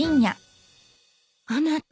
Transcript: あなた。